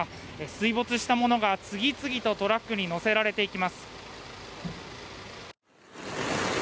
水没したものが次々とトラックに載せられていきます。